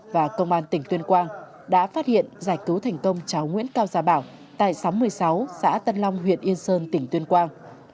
và công an tỉnh tuyên quang đã phát hiện giải cứu thành công cháu nguyễn cao gia bảo tại xóm một mươi sáu xã tân long huyện yên sơn tỉnh tuyên quang